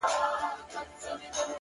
صندان د محبت دي په هر واري مخته راسي _